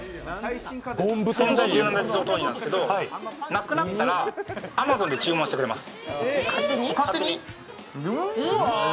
なくなったらアマゾンで注文してくれます。